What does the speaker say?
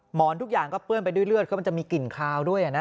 หมอนทุกอย่างก็เปื้อนไปด้วยเลือดก็มันจะมีกลิ่นคาวด้วยนะ